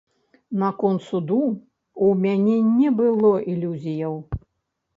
Наконт суду ў мяне не было ілюзіяў.